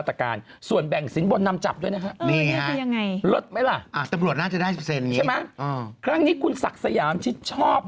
แต่บรวจน่าจะได้๑๐อย่างนี้ใช่ไหมครั้งนี้คุณศักดิ์สยามชิดชอบ